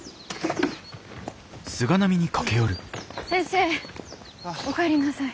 先生お帰りなさい。